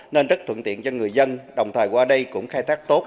nên rất thuận tiện cho người dân đồng thời qua đây cũng khai thác tốt